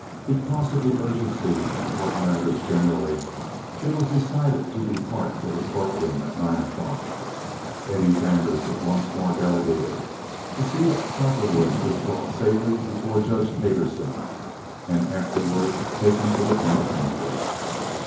Because of the urgency of court matters generally, it was decided to depart for the courtroom at nine o'clock. Eddie Zanders was once more delegated to see that Cowperwood was brought safely before Judge Payderson and afterward taken to the penitentiary.